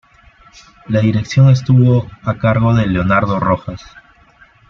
La dirección estuvo a cargo de Leonardo Rojas.